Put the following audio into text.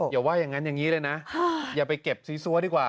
อย่าว่าอย่างนั้นอย่างนี้เลยนะอย่าไปเก็บซีซัวดีกว่า